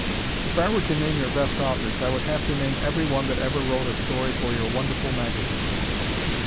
If I were to name your best authors, I would have to name every one that ever wrote a story for your wonderful magazine.